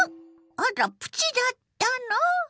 あらプチだったの！